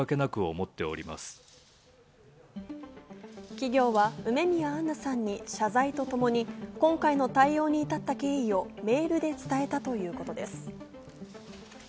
企業は梅宮アンナさんに謝罪とともに、今回の対応に至った経緯をメールで伝えたということです。